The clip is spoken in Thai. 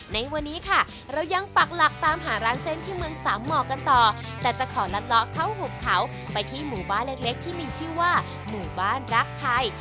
ในวันนี้ค่ะเรายังปักหลักตามหาร้านเส้นที่เมืองสามหมอกันต่อแต่จะขอลัดเลาะเข้าหุบเขาไปที่หมู่บ้านเล็กที่มีชื่อว่าหมู่บ้านรักไทย